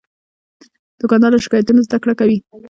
دوکاندار له شکایتونو نه زدهکړه کوي.